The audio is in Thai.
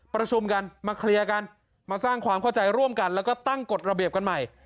ประชุมกันมาเคลียร์กันมาสร้างความเข้าใจร่วมกันแล้วก็ตั้งกฎระเบียบกันใหม่